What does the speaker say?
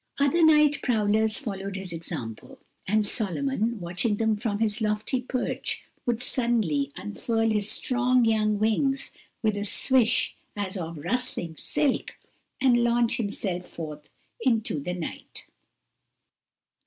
Other night prowlers followed his example, and Solomon, watching them from his lofty perch, would suddenly unfurl his strong, young wings, with a swish as of rustling silk, and launch himself forth into the night.